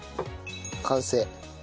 完成。